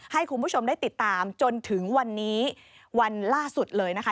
ให้คุณผู้ชมได้ติดตามจนถึงวันนี้วันล่าสุดเลยนะคะ